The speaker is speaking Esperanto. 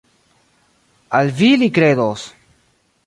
Al vi li kredos!